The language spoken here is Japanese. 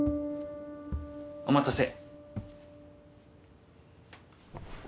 お待たせ。